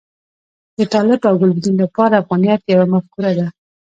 د طالب او ګلبدین لپاره افغانیت یوه مفکوره ده.